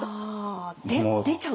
出ちゃう？